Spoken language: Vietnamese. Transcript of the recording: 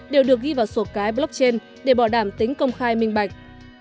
đều được ghi vào sổ cái blockchain để bảo đảm tính công khai minh bạch